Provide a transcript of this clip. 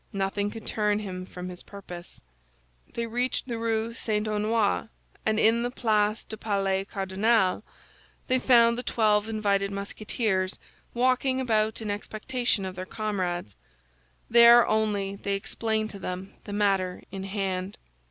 Nothing could turn him from his purpose. They reached the Rue St. Honoré, and in the Place du Palais Cardinal they found the twelve invited Musketeers, walking about in expectation of their comrades. There only they explained to them the matter in hand.